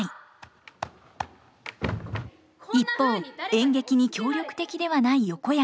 一方演劇に協力的ではない横山。